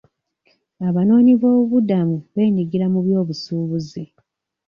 Abanoonyiboobubudamu beenyigira mu byobusuubuzi.